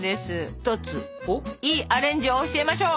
一ついいアレンジを教えましょう！